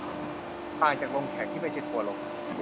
ต่างจากลงแขก ที่ไม่ใช่ทัวร์ลง